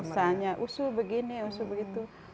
misalnya usul begini usul begitu